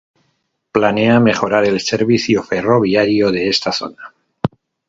Planea mejorar el servicio ferroviario de esta zona.